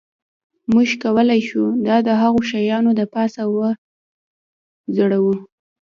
موږ کولی شو دا د هغو شیانو د پاسه وځړوو